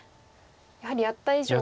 やはりやった以上は。